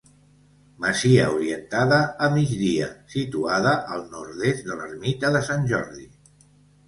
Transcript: Masia orientada a migdia, situada al Nord-est de l'ermita de Sant Jordi.